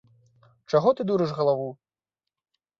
Чаго ты дурыш галаву?